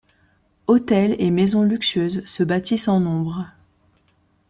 Hôtels et maisons luxueuses se bâtissent en nombre.